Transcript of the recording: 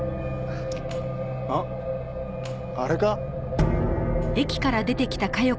あっあれか？